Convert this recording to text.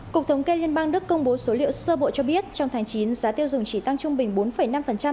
cục thống kê liên bang đức công bố số liệu sơ bộ cho biết trong tháng chín giá tiêu dùng chỉ tăng trung bình bốn năm